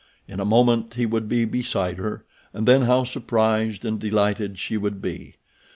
In a moment he would be beside her, and then how surprised and delighted she would be!